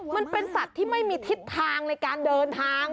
มันเป็นสัตว์ที่ไม่มีทิศทางในการเดินทาง